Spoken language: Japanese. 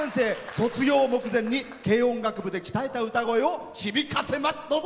卒業を目前に軽音楽部で鍛えた歌声を響かせます。